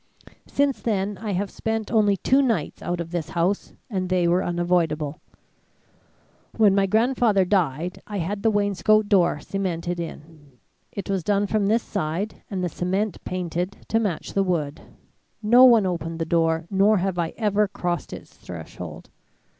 Since then I have spent only two nights out of this house, and they were unavoidable. When my grandfather died I had the wainscot door cemented in. It was done from this side and the cement painted to match the wood. No one opened the door nor have I ever crossed its threshold.